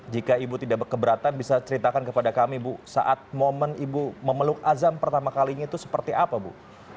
jika ibu tidak berkeberatan bisa ceritakan kepada kami bu saat momen ibu memeluk azam pertama kalinya itu seperti apa bu